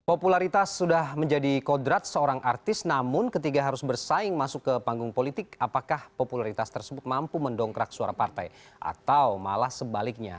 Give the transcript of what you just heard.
popularitas sudah menjadi kodrat seorang artis namun ketika harus bersaing masuk ke panggung politik apakah popularitas tersebut mampu mendongkrak suara partai atau malah sebaliknya